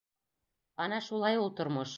Ана шулай ул тормош.